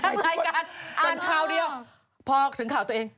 อ่านข่าวเดียวพอถึงข่าวตัวเอง